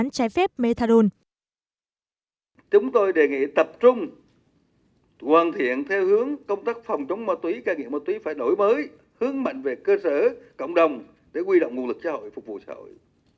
chúng tôi đề nghị tập trung hoàn thiện theo hướng công tác phòng chống ma túy ca nghiện ma túy phải đổi mới hướng mạnh về cơ sở cộng đồng để quy động nguồn lực xã hội phục vụ xã hội